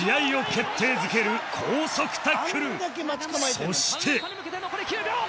そして